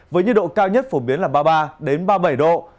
với nhiệt độ cao nhất phổ biến là ba mươi ba ba mươi bảy độ